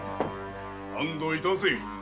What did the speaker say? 安堵いたせ。